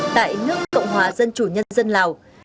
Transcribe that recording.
tại nước cộng hòa dân chủ nhân dân lào